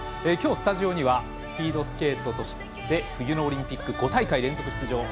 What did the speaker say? きょうスタジオにはスピードスケートとして冬のオリンピック５大会連続出場